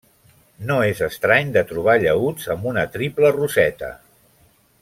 No és estrany de trobar llaüts amb una triple roseta.